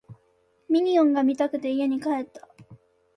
ミニオンが見たくて家に帰った